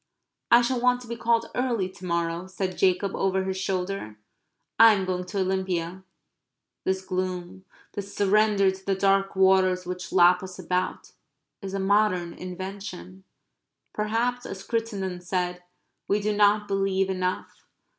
"I shall want to be called early to morrow," said Jacob, over his shoulder. "I am going to Olympia." This gloom, this surrender to the dark waters which lap us about, is a modern invention. Perhaps, as Cruttendon said, we do not believe enough.